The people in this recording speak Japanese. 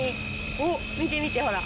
おっ見て見てほら。